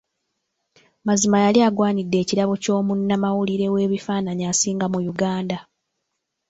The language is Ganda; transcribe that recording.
Mazima yali agwanidde ekirabo ky'omunnamawulire w'ebifaananyi asinga mu ggwanga.